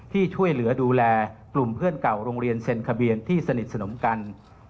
ที่ช่วยเหลือดูแลกลุ่มเพื่อนเก่าโรงเรียนเซ็นทะเบียนที่สนิทสนมกัน